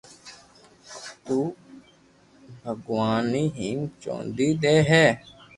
تو ڀگواناوني ھيم چونڌي دئي دي